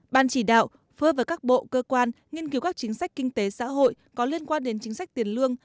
ban chỉ đạo phơ vào các bộ cơ quan nghiên cứu các chính sách kinh tế xã hội có liên quan đến chính sách tiền lương